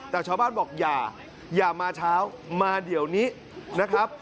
แต่ชาวบ้านบอกอย่าอย่ามาเช้ามาเดี๋ยวนี้นะครับ